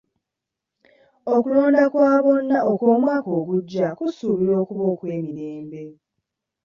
Okulonda kwa bonna okw'omwaka ogujja kusuubirwa okuba okw'emirembe.